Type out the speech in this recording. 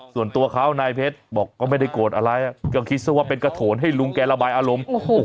ส่วนตัวเขานายเพชรบอกก็ไม่ได้โกรธอะไรก็คิดซะว่าเป็นกระโถนให้ลุงแกระบายอารมณ์